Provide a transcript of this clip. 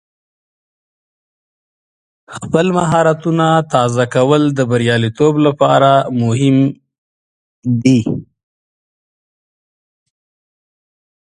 خپل مهارتونه تازه کول د بریالیتوب لپاره مهم دی.